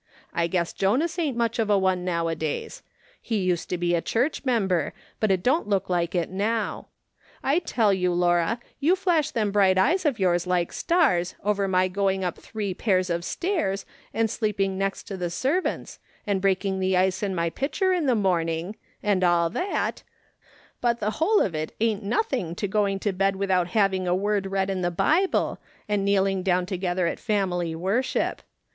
I guess Jonas ain't much of a one nowadays ; he used to he a church memher, but it don't look like it now. I tell you, Laura, you flash them bright eyes of yours like stars, over my going up three pairs of stairs, and sleeping next to the servants, and breaking the ice in my pitcher in the morning, and all that, but the whole of it ain't nothing to going to bed without having a word read in tlie Bible, and kneeling down together at family Avorship.